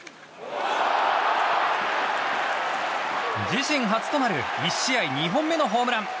自身初となる１試合２本目のホームラン！